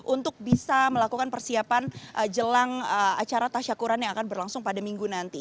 untuk bisa melakukan persiapan jelang acara tasyakuran yang akan berlangsung pada minggu nanti